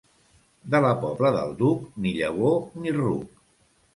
De la Pobla del Duc, ni llavor ni ruc.